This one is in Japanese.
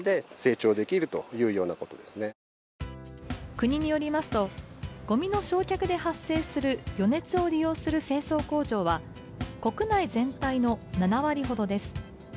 国によりますと、ごみの焼却で発生する余熱を利用する清掃工場は国内全体の７割ほどです